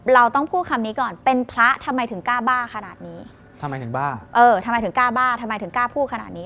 เราต้องพูดคำนี้ก่อนเป็นพระทำไมถึงกล้าบ้าขนาดนี้